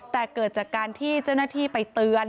แต่เกิดจากการที่เจ้าหน้าที่ไปเตือน